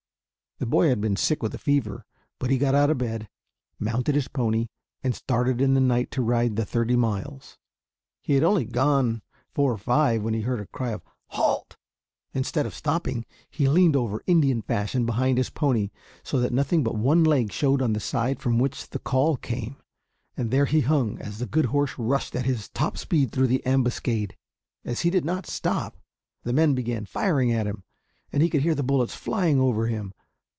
The boy had been sick with a fever; but he got out of bed, mounted his pony, and started in the night to ride the thirty miles. He had only gone four or five when he heard a cry of, "Halt!" Instead of stopping, he leaned over Indian fashion behind his pony, so that nothing but one leg showed on the side from which the call came, and there he hung as the good horse rushed at his top speed through the ambuscade. As he did not stop, the men began firing at him, and he could hear the bullets flying over him.